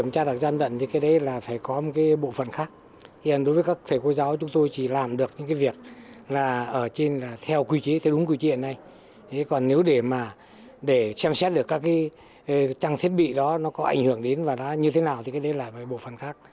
còn nếu để mà để xem xét được các cái trang thiết bị đó nó có ảnh hưởng đến và đó như thế nào thì cái đấy là bộ phần khác